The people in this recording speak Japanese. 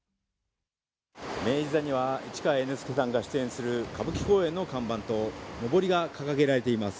明治座には市川猿之助さんが出演する歌舞伎公演の看板とのぼりが掲げられています。